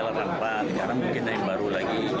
sekarang mungkin ada yang baru lagi